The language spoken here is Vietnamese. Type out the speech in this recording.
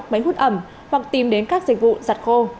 máy hút ẩm hoặc tìm đến các dịch vụ giặt khô